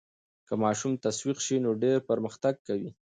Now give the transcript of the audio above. که ماشوم تشویق سي نو ډېر پرمختګ کوي.